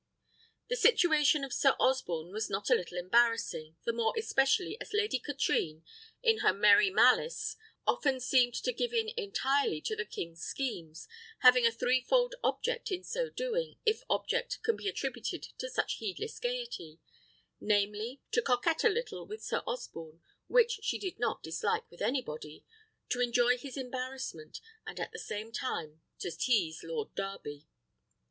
The situation of Sir Osborne was not a little embarrassing, the more especially as Lady Katrine, in her merry malice, often seemed to give in entirely to the king's schemes, having a threefold object in so doing, if object can be attributed to such heedless gaiety; namely, to coquet a little with Sir Osborne, which she did not dislike with anybody, to enjoy his embarrassment, and, at the same time, to tease Lord Darby.